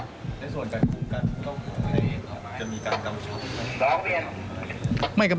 ไม่ก็มันมีระเบียบเขาอยู่แล้วนะครับ